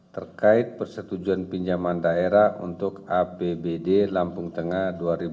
terkait persetujuan pinjaman daerah untuk apbd lampung tengah dua ribu dua puluh